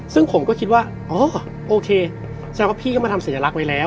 ซึ่งผมก็คิดว่าอ๋อโอเคแสดงว่าพี่ก็มาทำสัญลักษณ์ไว้แล้ว